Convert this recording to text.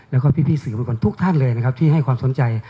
แล้วก็พี่สื่อมวลชนทุกท่านเลยนะครับที่ให้ความสนใจ